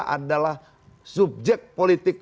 adalah subjek politik